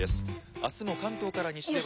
明日も関東から西では」。